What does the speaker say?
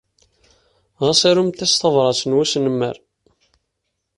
Ɣas arumt-as tabṛat n wesnemmer.